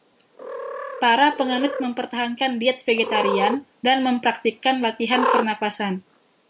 Para penganut mempertahankan diet vegetarian dan mempraktikkan latihan pernafasan.